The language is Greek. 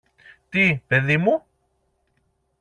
Τι, παιδί μου;